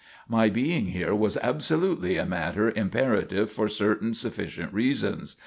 "My being here was absolutely a matter imperative for certain sufficient reasons.